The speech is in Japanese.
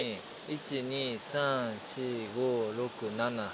１２３４５６７８。